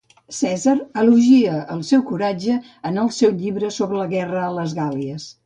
Cèsar elogia el seu coratge en el seu llibre sobre la guerra a les Gàl·lies.